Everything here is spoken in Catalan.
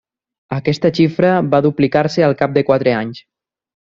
Aquesta xifra va duplicar-se al cap de quatre anys.